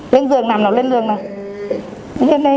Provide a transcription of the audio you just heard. lên giường nằm nào lên giường nào